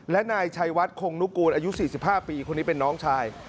และนายชัยวัดโครงนุกูลอายุสี่สิบห้าปีคนนี้เป็นน้องชาย